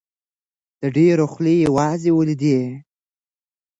د ډېرو خولې وازې ولیدې.